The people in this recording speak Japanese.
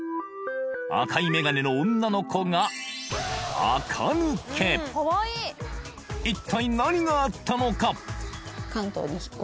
赤いメガネの女の子が一体何があったのか？